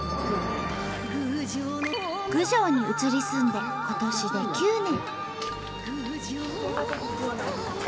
郡上に移り住んで今年で９年。